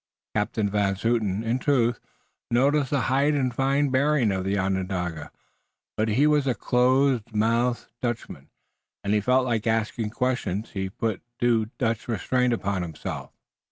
Captain Van Zouten, in truth, noticed the height and fine bearing of the Onondaga, but he was a close mouthed Dutchman, and if he felt like asking questions he put due Dutch restraint upon himself.